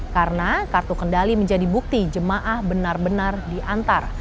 karena kartu kendali menjadi bukti jemaah benar benar diantar